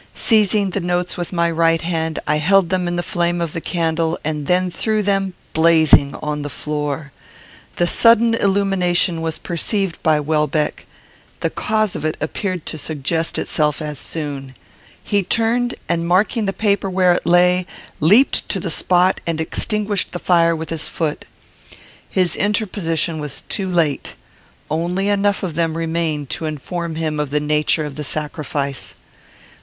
Seizing the notes with my right hand, I held them in the flame of the candle, and then threw them, blazing, on the floor. The sudden illumination was perceived by Welbeck. The cause of it appeared to suggest itself as soon. He turned, and, marking the paper where it lay, leaped to the spot, and extinguished the fire with his foot. His interposition was too late. Only enough of them remained to inform him of the nature of the sacrifice.